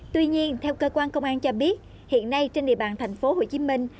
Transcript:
tuy nhiên theo cơ quan công an cho biết hiện nay trên địa bàn thành phố hồ chí minh